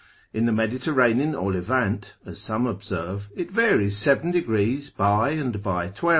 In the Mediterranean or Levant (as some observe) it varies 7. grad. by and by 12.